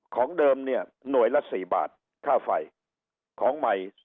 ของเดิมเนี่ยหน่วยละ๔บาทค่าไฟของใหม่